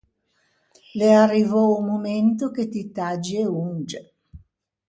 L’é arrivou o momento che ti taggi e onge.